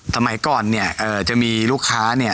สมัยก่อนเนี่ยจะมีลูกค้าเนี่ย